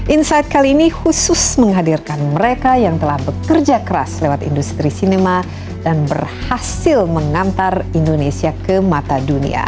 insight kali ini khusus menghadirkan mereka yang telah bekerja keras lewat industri sinema dan berhasil mengantar indonesia ke mata dunia